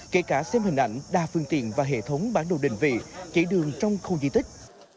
kể cả xem hình ảnh đa phương tiện và hệ thống bán đồ định vị chế đường trong khu duy tích